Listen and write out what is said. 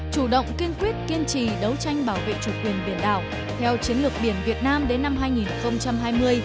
chủ động kiên quyết kiên trì đấu tranh bảo vệ chủ quyền biển đảo theo chiến lược biển việt nam đến năm hai nghìn hai mươi